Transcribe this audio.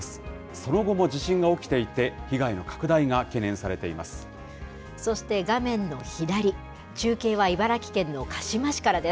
その後も地震が起きていて、被害の拡大が懸念されています。